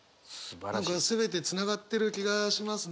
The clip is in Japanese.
今回は全てつながってる気がしますね。